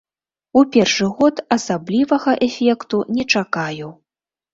У першы год асаблівага эфекту не чакаю.